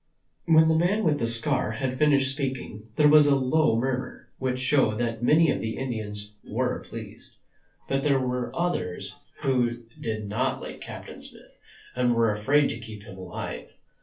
When the man with the scar had finished speaking, there was a low murmur, which showed that many of the Indians were pleased. But there were others who did not like Captain Smith and were afraid to keep him alive.